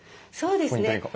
そうですね。